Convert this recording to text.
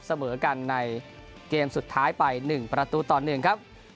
เสมอกันในเกมสุดท้ายไป๑ประตูต่อ๑ครับ